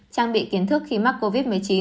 trang bị kiến thức khi mắc covid một mươi chín